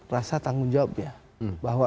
rasa tanggung jawabnya bahwa